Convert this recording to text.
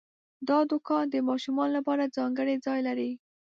دا دوکان د ماشومانو لپاره ځانګړی ځای لري.